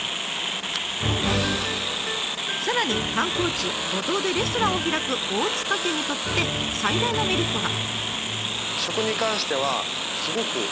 さらに観光地五島でレストランを開く大塚家にとって最大のメリットが。